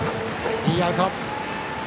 スリーアウト。